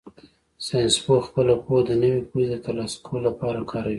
ساینسپوه خپله پوهه د نوې پوهې د ترلاسه کولو لپاره کاروي.